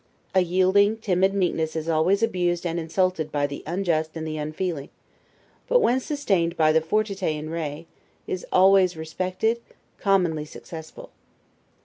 A yielding, timid meekness is always abused and insulted by the unjust and the unfeeling; but when sustained by the 'fortiter in re', is always respected, commonly successful.